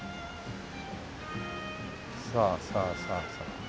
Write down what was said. さあさあさあさあ。